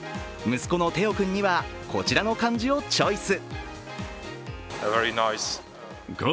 息子のテオ君にはこちらの漢字をチョイス。